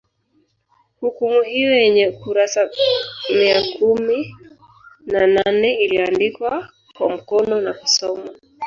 Hukumu hiyo yenye kurasa mia kumi na nane iliyoandikwa kwa mkono nakusomwa